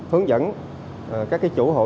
hướng dẫn các chủ hộ